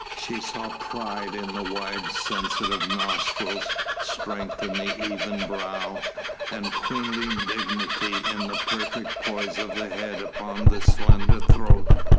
She saw pride in the wide sensitive nostrils, strength in the even brow, and queenly dignity in the perfect poise of the head upon the slender throat.